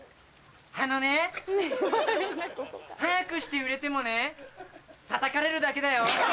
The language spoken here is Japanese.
あのね早くして売れてもねたたかれるだけだよ。